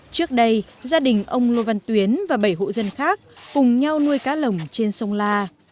trước đây gia đình ông lô văn tuyến và bảy hộ dân khác cùng nhau nuôi cá lồng trên sông la